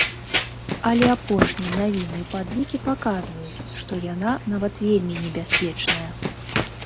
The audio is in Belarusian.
Але апошнія навіны і падлікі паказваюць, што яна нават вельмі небяспечная.